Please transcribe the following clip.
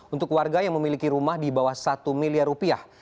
untuk warga yang memiliki rumah di bawah satu miliar rupiah